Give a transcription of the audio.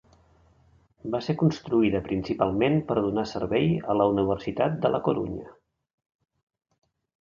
Va ser construïda principalment per donar servei a la Universitat de la Corunya.